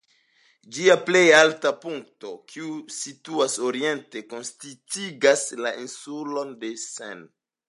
Ĝia plej alta punkto, kiu situas oriente, konsistigas la insulon de Sein.